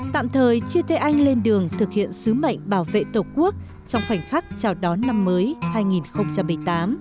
tạm thời chia thế anh lên đường thực hiện sứ mệnh bảo vệ tổ quốc trong khoảnh khắc chào đón năm mới hai nghìn một mươi tám